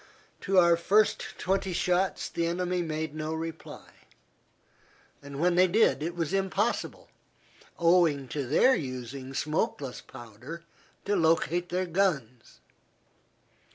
To our first twenty shots the enemy made no reply; when they did it was impossible, owing to their using smokeless powder, to locate their guns.